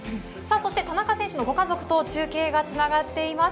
そして田中選手のご家族と中継がつながっています。